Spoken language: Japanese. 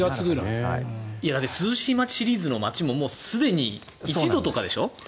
涼しい街シリーズの街ももうすでに１度とかでしょ。